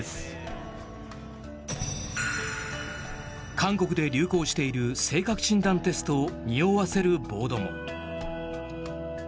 韓国で流行している性格診断テストをにおわせるボードも。